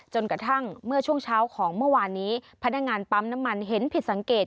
กระทั่งเมื่อช่วงเช้าของเมื่อวานนี้พนักงานปั๊มน้ำมันเห็นผิดสังเกต